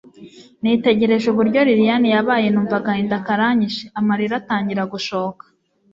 nitegereje uburyo lilian yabaye, numva agahinda karanyishe, amarira atangira gushoka